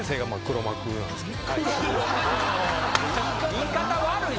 言い方悪い！